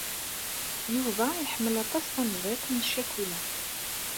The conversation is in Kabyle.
Yuba iḥemmel aṭas tamẓiḍt n ccakula.